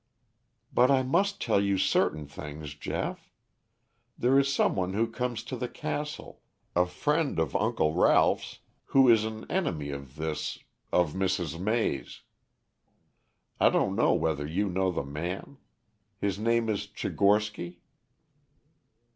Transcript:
"But I must tell you certain things, Geoff. There is some one who comes to the castle, a friend of Uncle Ralph's, who is an enemy of this of Mrs. May's. I don't know whether you know the man his name is Tchigorsky?"